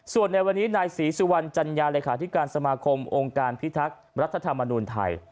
ส่วนในวันนี้นายศรีสุวรรณจัญญาเลขาธิการสมาคมองค์การพิทักษ์รัฐธรรมนูลไทย